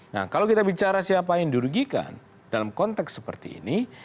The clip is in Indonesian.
nah kalau kita bicara siapa yang dirugikan dalam konteks seperti ini